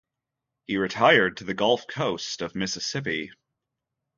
He retired to the Gulf Coast of Mississippi.